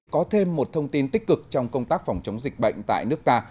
có thêm một thông tin tích cực trong công tác phòng chống dịch bệnh tại nước ta